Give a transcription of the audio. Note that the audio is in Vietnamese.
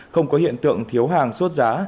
không có hiện tượng thiếu hàng suốt giá